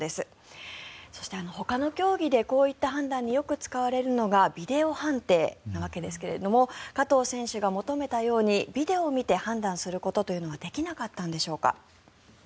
そして、ほかの競技でこういった判断によく使われるのがビデオ判定なわけですが加藤選手が求めたようにビデオを見て判断することというのはできなかったんでしょうか。